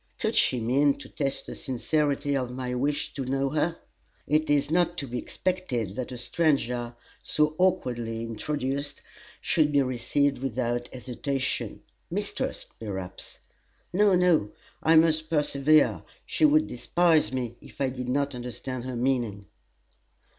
Could she mean to test the sincerity of my wish to know her. It is not to be expected that a stranger, so awkwardly introduced, should be received without hesitation mistrust, perhaps. No, no, I must persevere; she would despise me if I did not understand her meaning."